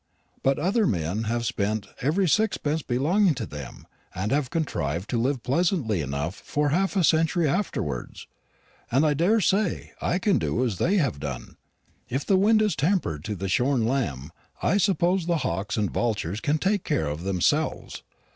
But other men have spent every sixpence belonging to them, and have contrived to live pleasantly enough for half a century afterwards; and I daresay I can do as they have done. If the wind is tempered to the shorn lamb, I suppose the hawks and vultures take care of themselves.